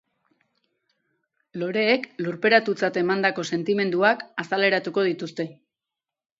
Loreek lurperatutzat emandako sentimenduak azaleratuko dituzte.